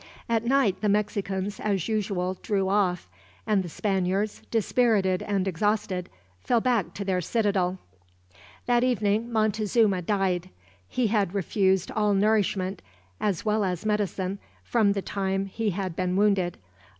At night the Mexicans, as usual, drew off; and the Spaniards, dispirited and exhausted, fell back to their citadel. That evening Montezuma died. He had refused all nourishment, as well as medicine, from the time he had been wounded.